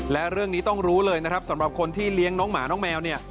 และเรื่องนี้ต้องรู้เลยสำหรับคนที่เลี้ยงน้องหมาน้องแมว